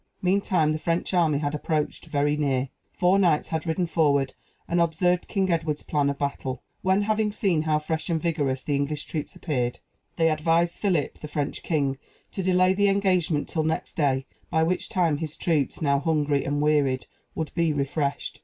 Meantime the French army had approached very near. Four knights had ridden forward, and observed King Edward's plan of battle; when, having seen how fresh and vigorous the English troops appeared, they advised Philip, the French king, to delay the engagement till next day, by which time his troops, now hungry and wearied, would be refreshed.